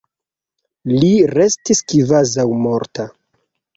Li restis kvazaŭ morta.